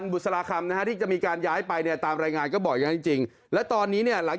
เพิ่มเตียงของสีเหลืองสีแดง